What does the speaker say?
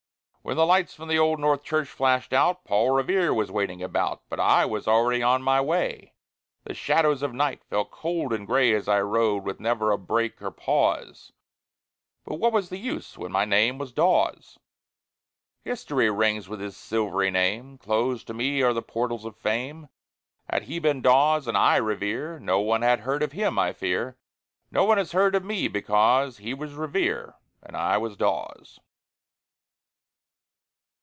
When the lights from the old North Church flashed out, Paul Revere was waiting about, But I was already on my way. The shadows of night fell cold and gray As I rode, with never a break or pause; But what was the use, when my name was Dawes? History rings with his silvery name; Closed to me are the portals of fame. Had he been Dawes and I Revere, No one had heard of him, I fear. No one has heard of me because He was Revere and I was Dawes.